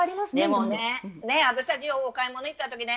でもね私たちようお買い物行ったときね